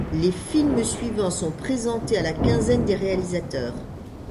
Les films suivants sont présentés à la Quinzaine des réalisateurs.